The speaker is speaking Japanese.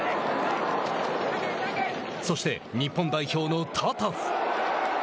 そして、日本代表のタタフ。